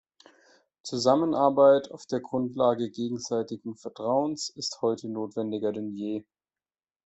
Zusammenarbeit auf der Grundlage gegenseitigen Vertrauens ist heute notwendiger denn je.